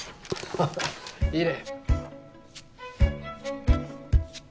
ハハいいね。